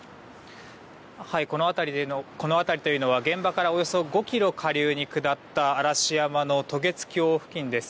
この辺りというのは現場からおよそ５ｋｍ下流に下った嵐山の渡月橋付近です。